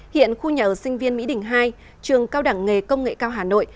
hiện khu nhà ở sinh viên mỹ đình hai trường cao đẳng nghề công nghệ cao hà nội